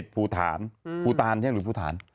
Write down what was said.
ภูฐานใช่หรือภูฐาน